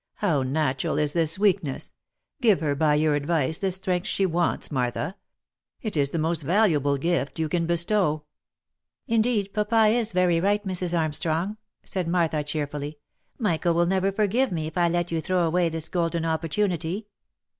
" How natural is this weakness ! Give her, by your advice, the strength she wants, Martha — it is the most valuable gift you can bestow !"" Indeed papa is very right, Mrs. Armstrong," said Martha cheer M 162 THE LIFE AND ADVENTURES fully. " Michael will never forgive me if I let you throw away this golden opportunity."